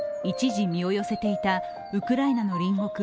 一時身を寄せていたウクライナの隣国